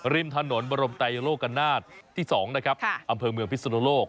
ริมถนนบรมไตโลกนาศที่๒นะครับอำเภอเมืองพิศนุโลก